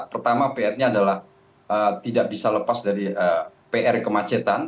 pertama pr nya adalah tidak bisa lepas dari pr kemacetan